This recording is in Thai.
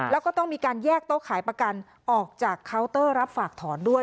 แล้วก็ต้องมีการแยกโต๊ะขายประกันออกจากเคาน์เตอร์รับฝากถอนด้วย